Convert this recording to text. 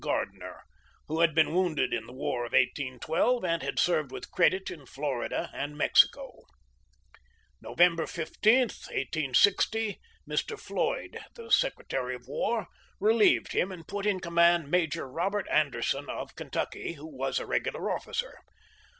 Gardner, who had been wounded in the war of 1812 and had served with credit in Florida and Mexico. November 15th, 1860, Mr. FROM MOULTRJE TO SUMTER. Floyd, the Secretary of War, relieved him and put in command Major Robert Anderson of Kentucky, who was a regular officer.